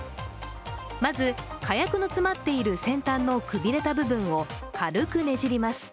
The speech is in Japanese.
まず、火薬の詰まっている先端のくびれた部分を軽くねじります。